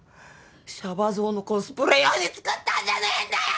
シャバ憎のコスプレ用に作ったんじゃねえんだよ！